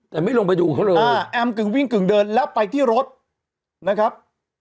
แต่ไม่ลงไปดูเขาเลยแอมกึ่งวิ่งกึ่งเดินแล้วไปที่รถนะครับ